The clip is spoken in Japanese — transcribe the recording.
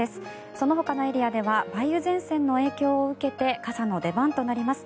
そのほかのエリアでは梅雨前線の影響を受けて傘の出番となります。